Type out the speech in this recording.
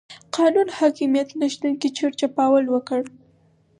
قانون حاکميت نشتون کې چور چپاول وکړي.